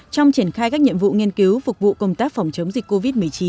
trong triển khai các nhiệm vụ nghiên cứu phục vụ công tác phòng chống dịch covid một mươi chín